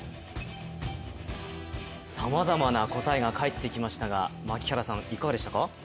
さまざまな答えが返ってきましたが槙原さん、いかがでしたか？